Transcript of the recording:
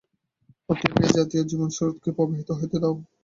অতএব এই জাতীয় জীবনস্রোতকে প্রবাহিত হইতে দাও।